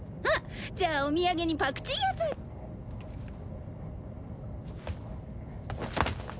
「あっ！じゃあお土産にパクチー八つ橋」